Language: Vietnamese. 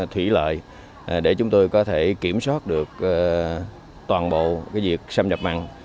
thủy lợi để chúng tôi có thể kiểm soát được toàn bộ việc xâm nhập mặn